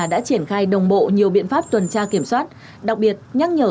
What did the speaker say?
đã triển khai đồng bộ nhiều biện pháp tuần tra kiểm soát đặc biệt nhắc nhở